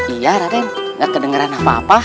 iya raden gak kedengeran apa apa